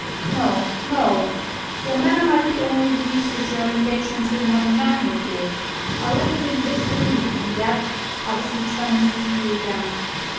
"No, no! your manner might be only the ease which your engagement to another man would give. I left you in this belief; and yet, I was determined to see you again.